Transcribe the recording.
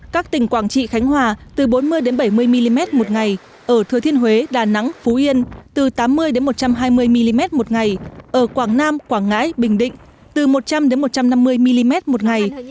các tỉnh quảng trị khánh hòa từ bốn mươi bảy mươi mm một ngày ở thừa thiên huế đà nẵng phú yên từ tám mươi một trăm hai mươi mm một ngày ở quảng nam quảng ngãi bình định từ một trăm linh một trăm năm mươi mm một ngày